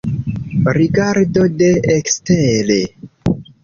Rigardo de ekstere.